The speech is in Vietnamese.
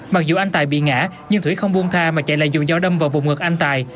mặc dù anh tài bị ngã nhưng thủy không buông tha mà chạy lại dùng dao đâm vào vùng ngực anh tài